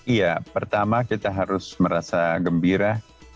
iya pertama kita harus merasa gembira